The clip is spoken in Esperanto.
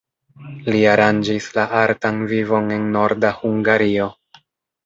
Li aranĝis la artan vivon en Norda Hungario.